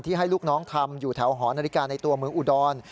ให้ลูกน้องทำอยู่แถวหอนาฬิกาในตัวเมืองอุดร